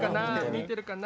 見てるかな？